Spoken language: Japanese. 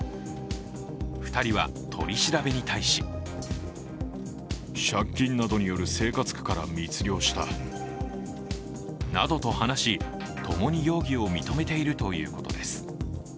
２人は取り調べに対しなどと話し、ともに容疑を認めているということです。